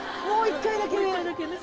もう１回だけね。